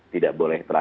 tidak boleh trial